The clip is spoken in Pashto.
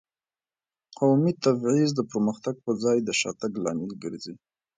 قومي تبعیض د پرمختګ په ځای د شاتګ لامل ګرځي.